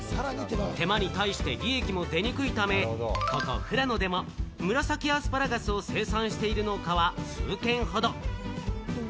手間に対して利益も出にくいため、ここ富良野でも紫アスパラガスを生産している農家は数軒ほど。